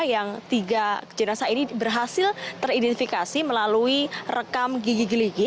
yang tiga jenazah ini berhasil teridentifikasi melalui rekam gigi giligi